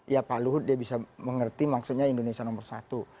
ya pak luhut dia bisa mengerti maksudnya indonesia nomor satu